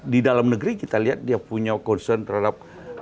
di dalam negeri kita lihat dia punya concern terhadap